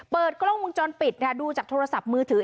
เปิดกล้องมุมจรปิดค่ะดูจากโทรศัพท์มือถือ